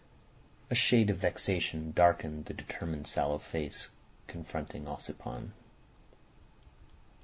A shade of vexation darkened the determined sallow face confronting Ossipon.